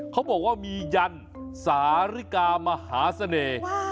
เขาบอกว่ามียันสาริกามหาเสน่ห์